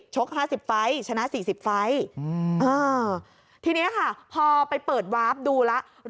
๕๐ไฟล์ชนะ๔๐ไฟล์ทีนี้ค่ะพอไปเปิดวาร์ฟดูแล้ว